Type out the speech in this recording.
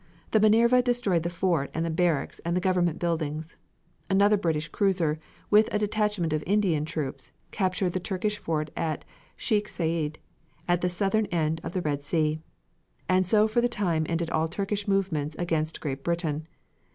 The Minerva destroyed the fort and the barracks and the government buildings. Another British cruiser, with a detachment of Indian troops, captured the Turkish fort at Sheik Said, at the southern end of the Red Sea. And so for the time ended all Turkish movements against Great Britain.